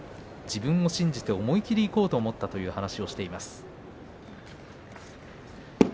自分を信じて思い切りいこうと思ったと話しています。